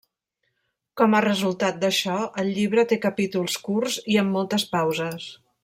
Com a resultat d'això, el llibre té capítols curts i amb moltes pauses.